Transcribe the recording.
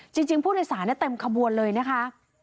จริงผู้โดยสารเต็มขบวนเลยนะคะ